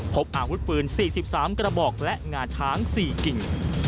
พบอาวุธปืน๔๓กระบอกและงาช้าง๔กิ่ง